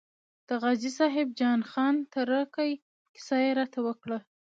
د غازي صاحب جان خان تره کې کیسه یې راته وکړه.